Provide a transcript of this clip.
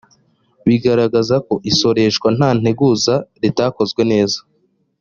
bigaragaza ko isoresha nta nteguza ritakozwe neza